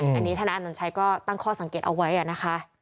อันนี้ทนายอนัญชัยก็ตั้งข้อสังเกตเอาไว้นะคะ